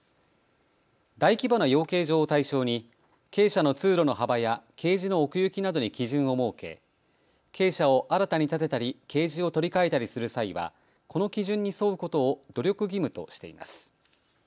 大規模な養鶏場を対象に鶏舎の通路の幅やケージの奥行きなどに基準を設け鶏舎を新たに建てたりケージを取り替えたりする際はこの基準に沿うことを努力義務としています。